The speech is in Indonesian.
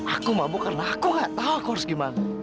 aku mabuk karena aku gak tahu aku harus gimana